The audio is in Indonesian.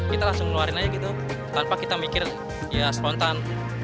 kita langsung ngeluarin aja gitu tanpa kita mikir ya spontan